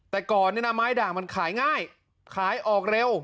แต่ก่อนเนี่ยนะไม้ด่างมันขายง่ายขายออกเร็ว